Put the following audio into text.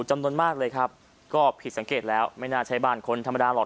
จำนวนมากเลยครับก็ผิดสังเกตแล้วไม่น่าใช้บ้านคนธรรมดาหรอก